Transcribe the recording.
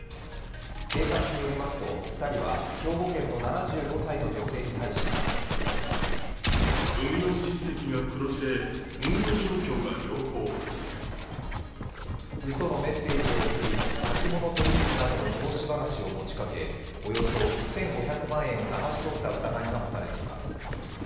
警察によりますと２人は兵庫県の７５歳の女性に対しうそのメッセージを送り先物取引などの投資話を持ちかけおよそ２５００万円をだまし取った疑いがもたれています。